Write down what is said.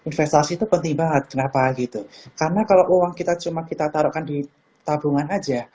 investasi itu penting banget kenapa gitu karena kalau uang kita cuma kita taruhkan di tabungan aja